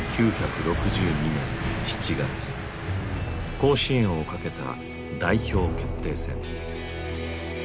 甲子園を懸けた代表決定戦。